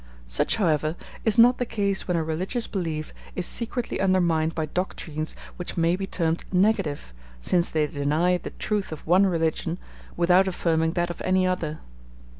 Such, however, is not the case when a religious belief is secretly undermined by doctrines which may be termed negative, since they deny the truth of one religion without affirming that of any other.